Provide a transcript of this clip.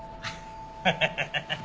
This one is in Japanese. ハハハハハ。